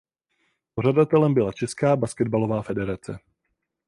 Pořadatelem byla Česká basketbalová federace.